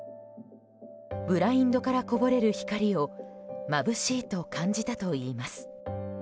ブラインドからこぼれる光をまぶしいと感じたといいます。